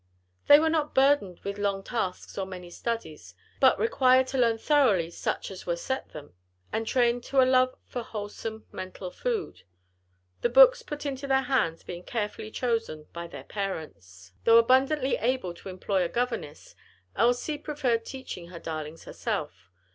They were not burdened with long tasks or many studies, but required to learn thoroughly such as were set them, and trained to a love for wholesome mental food; the books put into their hands being carefully chosen by their parents. Though abundantly able to employ a governess, Elsie preferred teaching her darlings her self.